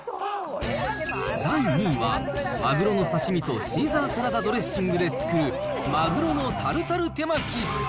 第２位は、マグロの刺身とシーザーサラダドレッシングで作る、マグロのタルタル手巻き。